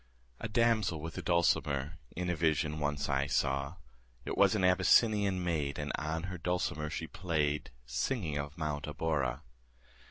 A damsel with a dulcimer In a vision once I saw: It was an Abyssinian maid, And on her dulcimer she play'd, 40 Singing of Mount Abora.